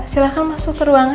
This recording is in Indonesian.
silahkan masuk ke ruangan